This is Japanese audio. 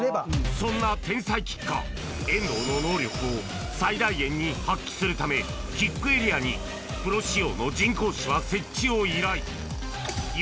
そんな天才キッカー遠藤の能力を最大限に発揮するためキックエリアにプロ仕様の人工芝設置を依頼